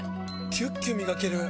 キュッキュ磨ける！